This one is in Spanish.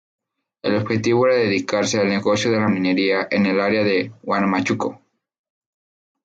El objetivo era dedicarse al negocio de la minería en el área de Huamachuco.